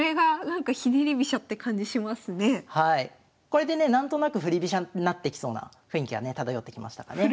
これでね何となく振り飛車になってきそうな雰囲気がね漂ってきましたかね。